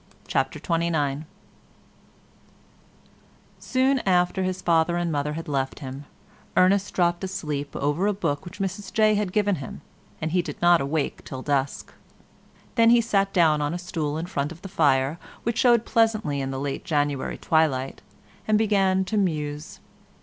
CHAPTER XXIX Soon after his father and mother had left him Ernest dropped asleep over a book which Mrs Jay had given him, and he did not awake till dusk. Then he sat down on a stool in front of the fire, which showed pleasantly in the late January twilight, and began to muse.